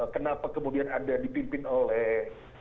kenapa kemudian anda dipimpin oleh